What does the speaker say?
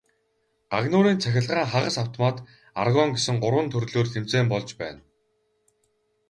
Гагнуурын цахилгаан, хагас автомат, аргон гэсэн гурван төрлөөр тэмцээн болж байна.